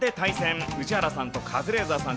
宇治原さんとカズレーザーさん